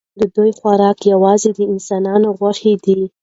د دوی خوراک یوازې د انسانانو غوښې دي.